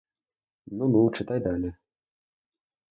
Ну, ну, читай далі.